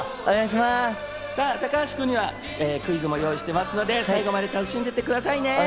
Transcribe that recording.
高橋君にはクイズも用意していますので最後まで楽しんでってくださいね。